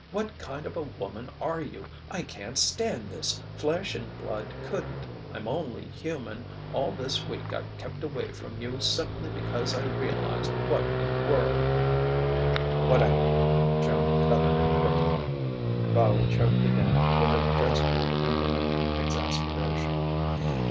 what kind of a woman are you? I can't stand this. Flesh and blood couldn't. I'm only human. All this week I've kept away from you simply because I realized what you were " "What am I?" Joan cut in quickly. Fowey choked again, with a gesture of impotent exasperation.